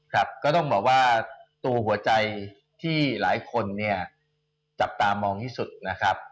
ครับก็ต้องบอกว่าตัวหัวใจที่หลายคนเนี่ยจับตามองที่สุดนะครับ